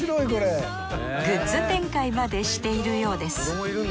グッズ展開までしているようです。